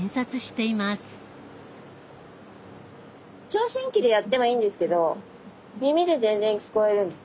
聴診器でやってもいいんですけど耳で全然聞こえる。